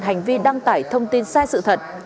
hành vi đăng tải thông tin sai sự thật